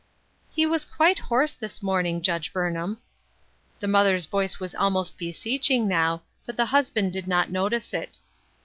" He was quite hoarse this morning, Judge Burnham." The mother's voice was almost beseeching now, but the husband did not notice it.